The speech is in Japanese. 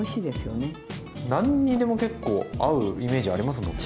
何にでも結構合うイメージありますもんね。